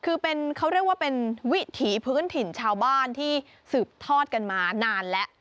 คือเขาเรียกว่าเป็นวิถีพื้นถิ่นชาวบ้านที่สืบทอดกันมานานแล้ว